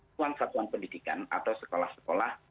keuang keuang pendidikan atau sekolah sekolah